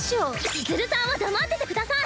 千鶴さんは黙っててください。